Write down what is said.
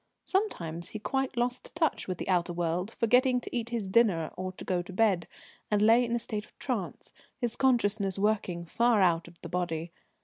Sometimes he quite lost touch with the outer world, forgetting to eat his dinner or go to bed, and lay in a state of trance, his consciousness working far out of the body.